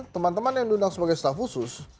teman teman yang diundang sebagai staff khusus